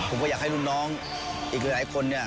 ผมก็อยากให้ลุงน้องอีกหลายคน